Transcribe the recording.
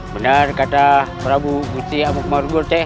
benar kata prabu usti abu marwur